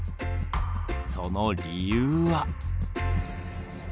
その理由は。